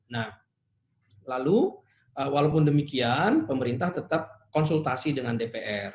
nah lalu walaupun demikian pemerintah tetap konsultasi dengan dpr